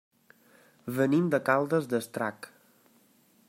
Venim de Caldes d'Estrac.